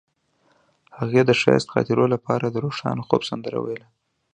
هغې د ښایسته خاطرو لپاره د روښانه خوب سندره ویله.